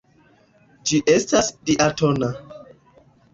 Ĝi estas diatona.